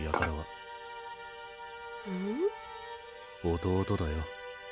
弟だよ。